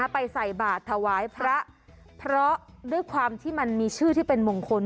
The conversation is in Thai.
ใส่บาทถวายพระเพราะด้วยความที่มันมีชื่อที่เป็นมงคล